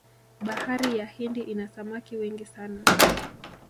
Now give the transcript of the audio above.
bahari ya hindi ina samaki wengi sana